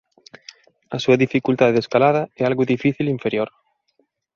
A súa dificultade de escalada é "Algo Difícil Inferior".